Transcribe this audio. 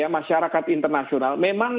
masyarakat internasional memang